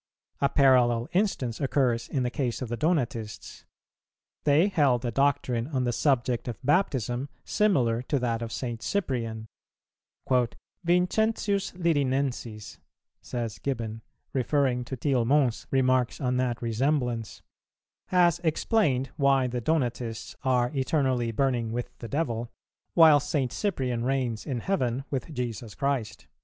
A parallel instance occurs in the case of the Donatists. They held a doctrine on the subject of Baptism similar to that of St. Cyprian: "Vincentius Lirinensis," says Gibbon, referring to Tillemont's remarks on that resemblance, "has explained why the Donatists are eternally burning with the devil, while St. Cyprian reigns in heaven with Jesus Christ."